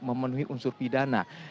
memenuhi unsur pidana